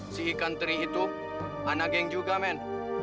si ikan teri itu anak geng juga men